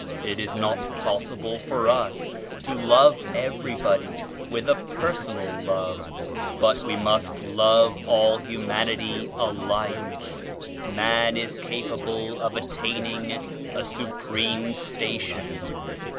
It is not possible for us to love every body with a personal love, but we must love all humanity alike. Man is capable of attaining a supreme station.